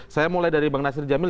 saya mulai dari bang nasir jamil